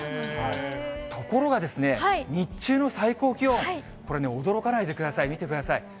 ところが、日中の最高気温、これね、驚かないでください、見てください。